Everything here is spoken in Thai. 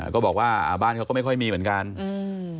ก็บอกว่าอ่าบ้านเขาก็ไม่ค่อยมีเหมือนกันอืม